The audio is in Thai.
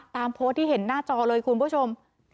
โพสต์ที่เห็นหน้าจอเลยคุณผู้ชม